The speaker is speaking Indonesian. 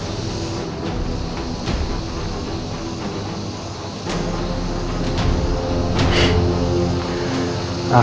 terima kasih pak